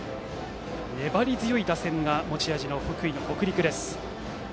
粘り強い打線が持ち味の福井の北陸です。